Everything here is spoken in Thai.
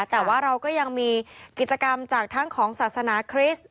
แต่ว่าเราก็ยังมีกิจกรรมจากทั้งของศาสนาคริสต์